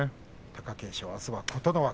貴景勝は、あすは琴ノ若。